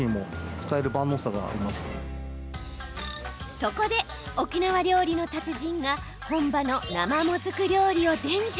そこで沖縄料理の達人が本場の生もずく料理を伝授。